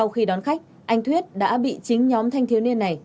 sau khi đón khách anh thuyết đã bị chính nhóm thanh thiếu niên này